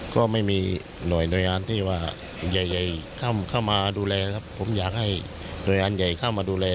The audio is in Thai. ก็ไม่มีหน่วยงานที่ว่าใหญ่เข้ามาดูแลครับผมอยากให้หน่วยงานใหญ่เข้ามาดูแล